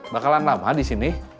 bakalan lama disini